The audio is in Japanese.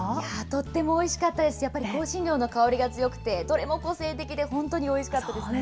とってもおいしかったですし、やっぱり香辛料の香りが強くて、どれも個性的で本当においしかったですね。